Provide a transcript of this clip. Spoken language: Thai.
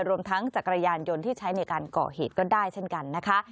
รวมทั้งจักรยานยนต์ที่ใช้ในการก่อเหตุก็ได้เช่นกันนะคะ